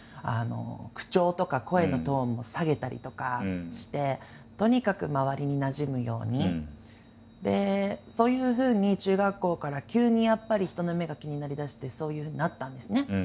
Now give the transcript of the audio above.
口調とか声のトーンも下げたりとかしてそういうふうに中学校から急にやっぱり人の目が気になりだしてそういうふうになったんですね。